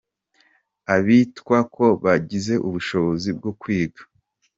Abitwa ko bagize ubushobozi bwo kwiga